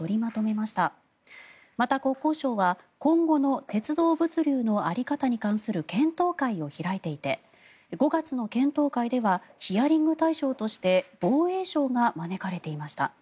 また国交省は今後の鉄道物流の在り方に関する検討会を開いていて５月の検討会ではヒアリング対象として防衛省が招かれていました。